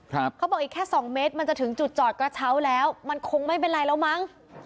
เขาบอกอีกแค่สองเมตรมันจะถึงจุดจอดกระเช้าแล้วมันคงไม่เป็นไรแล้วมั้ง